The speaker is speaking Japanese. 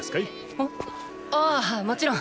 あああもちろん。